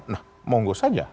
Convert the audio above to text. nah monggo saja